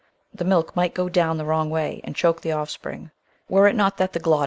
The mUk might "go down the wrong way" and choke the o£fspring, were it not that the SKUI.